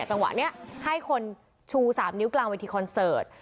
จังหวะนี้ให้คนชู๓นิ้วกลางเวทีคอนเสิร์ต